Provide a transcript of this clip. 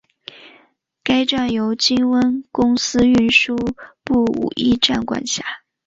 该站由金温公司运输部武义站管辖。